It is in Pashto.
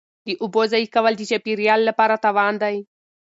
د اوبو ضایع کول د چاپیریال لپاره تاوان دی.